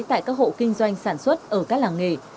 tại các hộ kinh doanh sản xuất ở các làng nghề